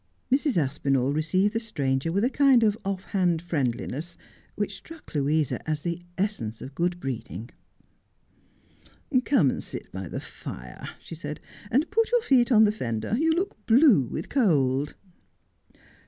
Mrs. Aspinall received the stranger with a kind of off hand friendliness which struck Louisa as the essence of good breeding. ' Come and sit by the fire,' she said, ' and put your feet on the fender. You look blue with cold.'